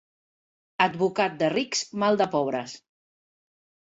Advocat de rics, mal de pobres.